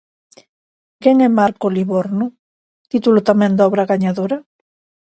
Quen é Marco Livorno, título tamén da obra gañadora?